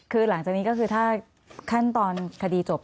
คือหลังจากนี้ก็คือถ้าขั้นตอนคดีจบ